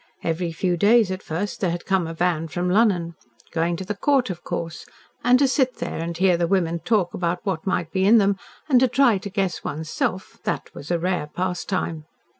Every few days, at first, there had come a van from "Lunnon." Going to the Court, of course. And to sit there, and hear the women talk about what might be in them, and to try to guess one's self, that was a rare pastime.